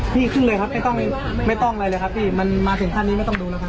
ขึ้นเลยครับไม่ต้องไม่ต้องอะไรเลยครับพี่มันมาถึงขั้นนี้ไม่ต้องดูแล้วครับ